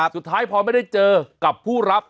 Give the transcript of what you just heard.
สุดท้ายพอไม่ได้เจอกับผู้รับ